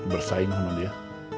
bersaing sama dia